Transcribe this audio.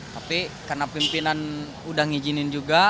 tapi karena pimpinan udah ngijinin juga